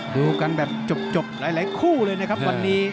ดูกันแบบจบหลายคู่เลยนะครับวันนี้